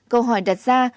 câu hỏi đặt ra